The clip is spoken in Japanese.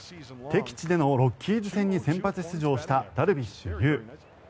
敵地でのロッキーズ戦に先発出場したダルビッシュ有。